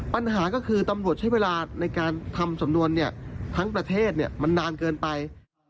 ปัญหาก็คือตำรวจใช้เวลาในการทำสำนวนทั้งประเทศมันนานเกินไป